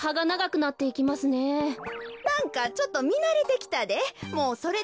なんかちょっとみなれてきたで。